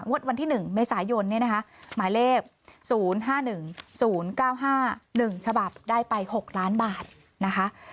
งวดวันที่หนึ่งเมษายนเนี้ยนะคะหมายเลขศูนย์ห้าหนึ่งศูนย์เก้าห้าหนึ่งฉบับได้ไปหกล้านบาทนะคะ